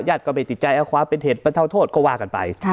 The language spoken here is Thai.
ญาติก็ไปติดใจแล้วความเป็นเหตุบรรเทาทุกข์ก็ว่ากันไป